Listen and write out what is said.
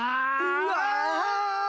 うわ！